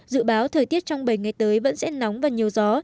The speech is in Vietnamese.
dự báo thời tiết trong bảy ngày tới vẫn sẽ nóng và nhiều gió